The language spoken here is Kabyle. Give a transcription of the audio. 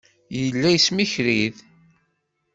Yella yesmikriḍ.